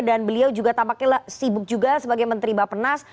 dan beliau juga tampaknya sibuk juga sebagai menteri bapenas